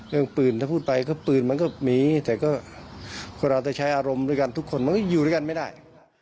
เรื่องปืนถ้าพูดไปก็ปืนมันก็มีแต่ก็คนเราจะใช้อารมณ์ด้วยกันทุกคนมันก็อยู่ด้วยกันไม่ได้